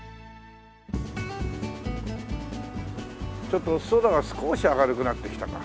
ちょっと空が少し明るくなってきたか。